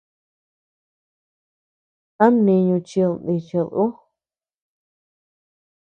¿A mniñu chid nichid ú?